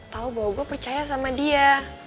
tahu bahwa gue percaya sama dia